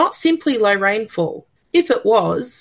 kedampakan bukan hanya hujan yang rendah